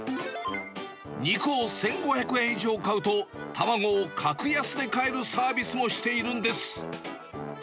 肉を１５００円以上買うと、卵を格安で買えるサービスもしているんです。